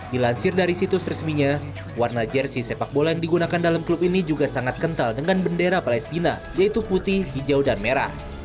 dilansir dari situs resminya warna jersey sepak bola yang digunakan dalam klub ini juga sangat kental dengan bendera palestina yaitu putih hijau dan merah